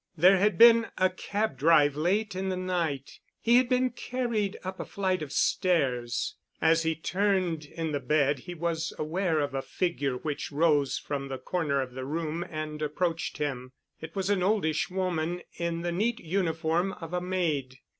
There had been a cab drive late in the night—he had been carried up a flight of stairs ... As he turned in the bed he was aware of a figure which rose from the corner of the room and approached him. It was an oldish woman in the neat uniform of a maid.